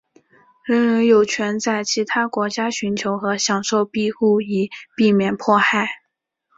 人人有权在其他国家寻求和享受庇护以避免迫害。